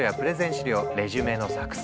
資料レジュメの作成